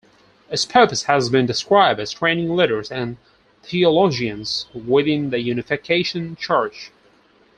Its purpose has been described as training leaders and theologians within the Unification Church.